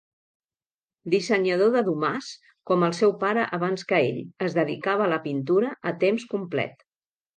Dissenyador de domàs com el seu pare abans que ell, es dedicava a la pintura a temps complet.